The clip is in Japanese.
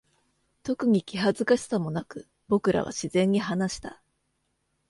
特に気恥ずかしさもなく、僕らは自然に話した。